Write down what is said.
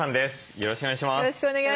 よろしくお願いします。